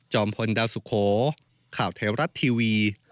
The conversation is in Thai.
พลดาวสุโขข่าวไทยรัฐทีวี